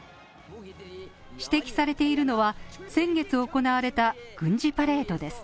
指摘されているのは、先月行われた軍事パレードです。